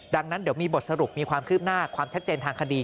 ดังนั้นเดี๋ยวมีบทสรุปมีความคืบหน้าความชัดเจนทางคดี